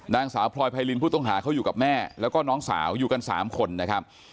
นางสาวพลอยไพรินผู้ต้องหาเขาอยู่กับแม่แล้วก็น้องสาวอยู่กัน๓คนนะครับ